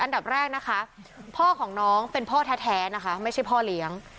อันดับแรกนะคะพ่อของน้องเป็นพ่อแท้นะคะไม่ใช่พ่อเลี้ยง